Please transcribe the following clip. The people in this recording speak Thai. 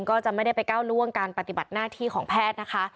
ก็จะไม่ได้ไปก้าวล่วงการปฏิบัติหน้าที่ของแพทย์นะคะ